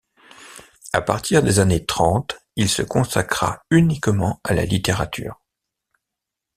À partir des années trente, il se consacra uniquement à la littérature.